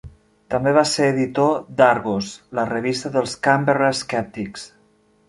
També va ser editor d'"Argos", la revista dels Canberra Skeptics.